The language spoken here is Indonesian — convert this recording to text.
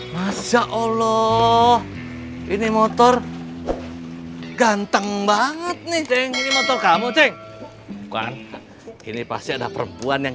masya allah ini motor ganteng banget nih ceng ini motor kamu cek bukan ini pasti ada perempuan yang